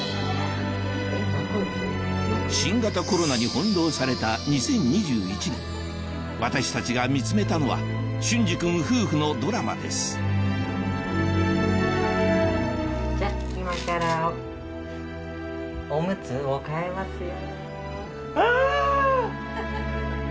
新型コロナに翻弄された２０２１年私たちが見つめたのは隼司君夫婦のドラマですあぁ！